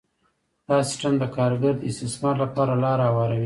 دا سیستم د کارګر د استثمار لپاره لاره هواروي